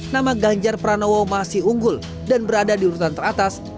nama ganjar pranowo masih unggul dan berada di urutan teratas